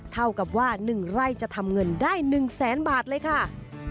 เท่ากับว่า๑ไร่จะทำเงินได้๑แสนบาทเลยค่ะ